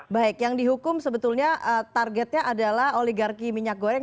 baik yang dihukum sebetulnya targetnya adalah oligarki minyak goreng